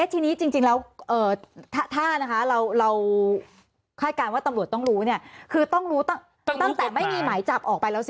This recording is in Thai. ทีนี้จริงแล้วถ้านะคะเราคาดการณ์ว่าตำรวจต้องรู้เนี่ยคือต้องรู้ตั้งแต่ไม่มีหมายจับออกไปแล้วสิ